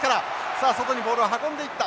さあ外にボールを運んでいった。